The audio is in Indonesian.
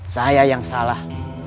saya yang salah